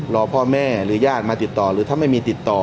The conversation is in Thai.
รอพ่อแม่หรือญาติมาติดต่อหรือถ้าไม่มีติดต่อ